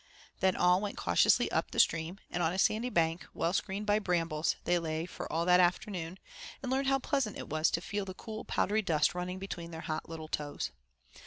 Then all went cautiously up the stream, and on a sandy bank, well screened by brambles, they lay for all that afternoon, and learned how pleasant it was to feel the cool powdery dust running between their hot little toes.